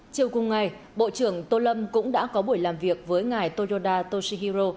chiều cùng ngày bộ trưởng tô lâm cũng đã có buổi làm việc với ngài toyoda toshihiro